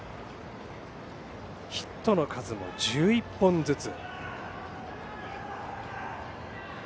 ヒットの数も１１本ずつ。